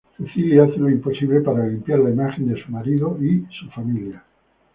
Cecilia hace lo imposible para limpiar la imagen de su marido y su familia.